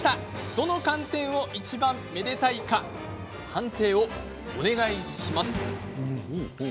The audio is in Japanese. どの寒天をいちばんめでたいか判定をお願いします。